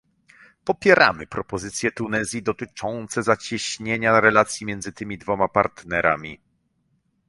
Popieramy propozycje Tunezji dotyczące zacieśnienia relacji między tymi dwoma partnerami